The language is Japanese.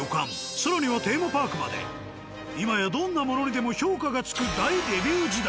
更にはテーマパークまで今やどんなものにでも評価がつく大レビュー時代。